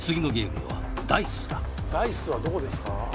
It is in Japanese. ダイスはどこですか？